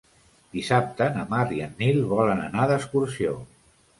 Dissabte na Mar i en Nil volen anar d'excursió.